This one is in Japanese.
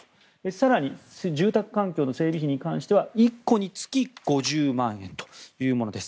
更に住宅環境の整備費に関しては１戸につき５０万円というものです。